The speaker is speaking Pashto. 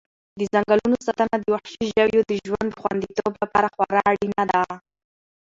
د ځنګلونو ساتنه د وحشي ژویو د ژوند د خوندیتوب لپاره خورا اړینه ده.